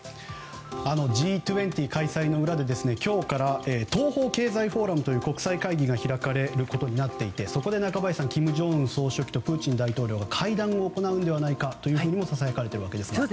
Ｇ２０開催の裏で今日から東方経済フォーラムという国際会議が開かれることになっていてそこで中林さん金正恩総書記とプーチン大統領が会談を行うのではないかともささやかれているわけですが。